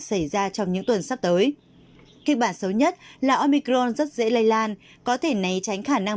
xảy ra trong những tuần sắp tới kịch bản xấu nhất là omicron rất dễ lây lan có thể né tránh khả năng